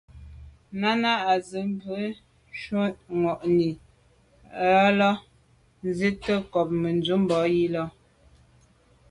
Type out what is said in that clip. Náná à’sə̌’ mbu’ŋwà’nǐ á lǒ’ nzi’tə ncob Mə̀dʉ̂mbὰ yi lα.